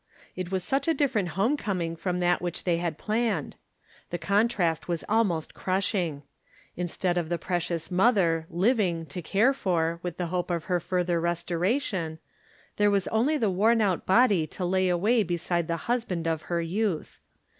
It was such a different home com ing frora that which they had planned. The contrast was almost crushing. Instead of the precious mother, living, to care for, with the hope of her further restoration, there was only the worn out body to lay away beside the husband of her youth.